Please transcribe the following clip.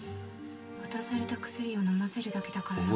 渡された薬を飲ませるだけだから楽だった